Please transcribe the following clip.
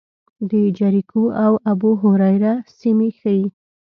د جریکو او ابوهریره سیمې ښيي.